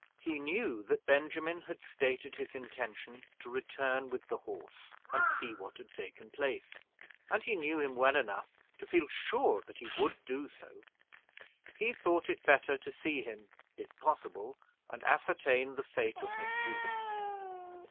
He knew that Benjamin had stated his intention to return with the horse and see what had taken place, and he knew him well enough to feel sure that he would do so. He thought it better to see him if possible, and ascertain the fate of Miss Judith.